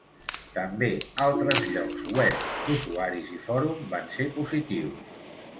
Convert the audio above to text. També altres llocs web d'usuaris i fòrum van ser positius.